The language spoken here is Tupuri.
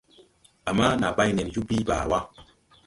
Ama na bay nen joo bìi baa wà.